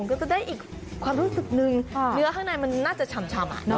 ก็จะได้อีกความรู้สึกนึงเนื้อข้างในมันน่าจะฉ่ำ